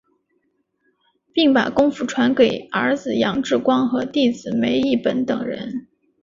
并把功夫传给儿子杨志光和弟子梅益本等人。